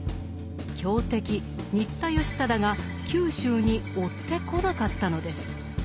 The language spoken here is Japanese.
強敵新田義貞が九州に追ってこなかったのです。